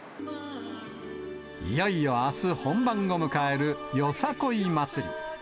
いよいよあす、本番を迎えるよさこい祭り。